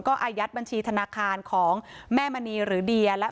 อายัดบัญชีธนาคารของแม่มณีหรือเดียและ